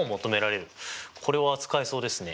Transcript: これは使えそうですね。